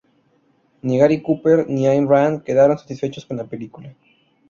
Ni Gary Cooper ni Ayn Rand quedaron satisfechos con la película.